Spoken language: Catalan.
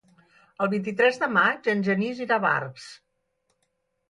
El vint-i-tres de maig en Genís irà a Barx.